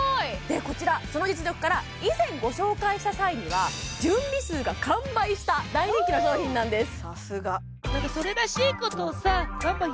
でこちらその実力から以前ご紹介した際には準備数が完売した大人気の商品なんです